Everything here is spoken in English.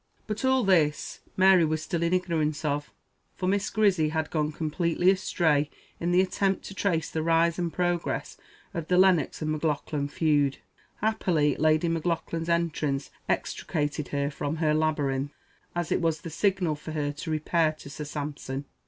But all this Mary was still in ignorance of, for Miss Grizzy had gone completely astray in the attempt to trace the rise and progress of the Lennox and Maclaughlan feud. Happily Lady Maclauglan's entrance extricated her from her labyrinth, as it as the signal for her to repair to Sir Sampson.